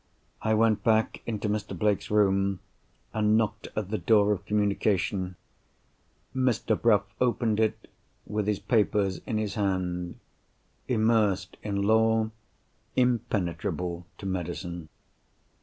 I went back into Mr. Blake's room, and knocked at the door of communication. Mr. Bruff opened it, with his papers in his hand—immersed in Law; impenetrable to Medicine.